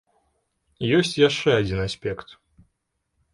Ёсць яшчэ адзін аспект.